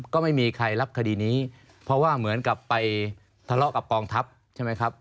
ก็ไม่มีใครรับคดีนี้เพราะว่าเหมือนกับไปทะเลาะกับกองทัพใช่ไหมครับ